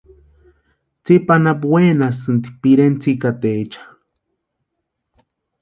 Tsipa anapu wénasïnti pireni tsikataecha.